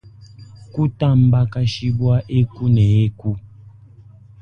Kutambakashibua eku ne eku.